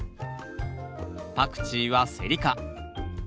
パクチーはセリ科。